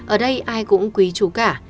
ở đây ai cũng quý chú cả